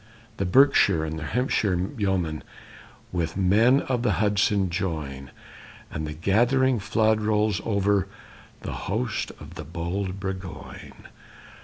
The Berkshire and Hampshire yeomen With the men of the Hudson join, And the gathering flood rolls over The host of the bold Burgoyne.